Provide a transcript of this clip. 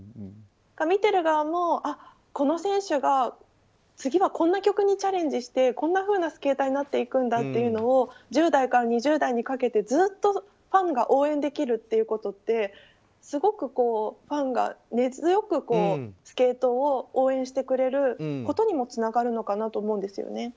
見ている側もこの選手が次はこんな曲にチャレンジして、こんなふうなスケーターになっていくんだって１０代から２０代にかけてずっとファンが応援できることってすごくファンが根強くスケートを応援してくれることにつながるのかなと思うんですよね。